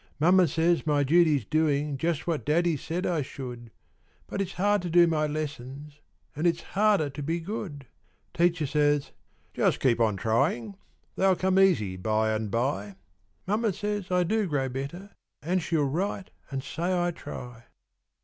Mamma says my duty's doing Just what daddy said I should; But it's hard to do my lessons; And its harder to be good! Teacher says, "Just keep on trying, They'll come easy by an' by;" Mamma says I do grow better, And she'll write an' say I try.